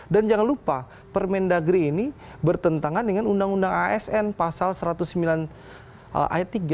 dan jangan lupa permendagri ini bertentangan dengan undang undang asn pasal satu ratus sembilan ayat tiga